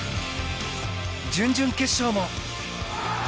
準々決勝も。